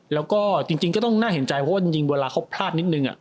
แล้วก็จริงก็ต้องน่าเห็นใจเพราะว่าจริงเวลาเขาพลาดนิดนึง